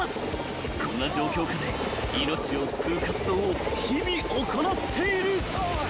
［こんな状況下で命を救う活動を日々行っている］